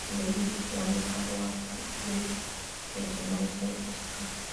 Desde allí vigilan el campo hasta ver que los hermanos se acercan.